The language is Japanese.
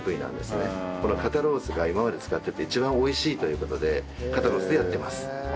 この肩ロースが今まで使ってて一番美味しいという事で肩ロースでやってます。